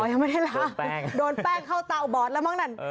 ยังไม่ได้ลาโดนแป้งเข้าเตาบอดแล้วมั้งนั่น